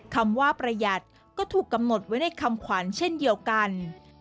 คำว่าประหยัดก็ถูกกำหนดไว้ในคำขวัญเช่นเดียวกัน